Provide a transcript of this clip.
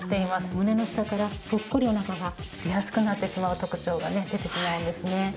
胸の下からポッコリお腹が出やすくなってしまう特徴がね出てしまうんですね。